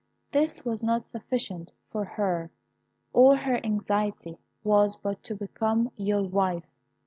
This was not sufficient for her: all her anxiety was but to become your wife.